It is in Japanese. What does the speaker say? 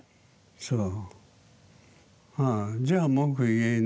そう。